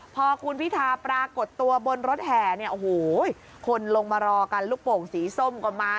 พอคุณพิทาปรากฏตัวบนรถแห่คนลงมารอกันลูกโป่งสีส้มกลับมา